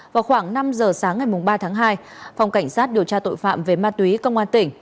vào khoảng năm giờ sáng ngày ba tháng hai phòng cảnh sát điều tra tội phạm về ma túy công an tỉnh